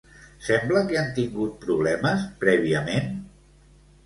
Sembla que han tingut problemes prèviament?